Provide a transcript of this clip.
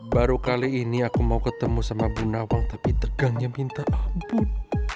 baru kali ini aku mau ketemu sama bunawang tapi tegangnya minta abut